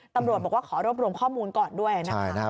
ตำรวจบอกว่าขอรวบรวมข้อมูลก่อนด้วยนะครับ